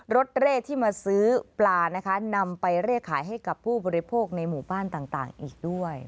เร่ที่มาซื้อปลานะคะนำไปเร่ขายให้กับผู้บริโภคในหมู่บ้านต่างอีกด้วย